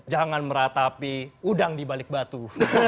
jangan meratapi udang dibalik batu